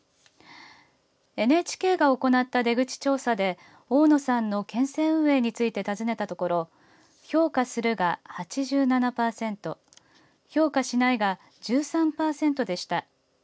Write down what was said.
ＮＨＫが行った出口調査で大野さんの県政運営について尋ねたところ評価するが８７％、評価しないが１３％でした。